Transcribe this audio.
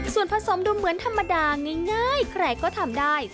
ส่วนผสมดูเหมือนธรรมดาง่ายใครก็ทำได้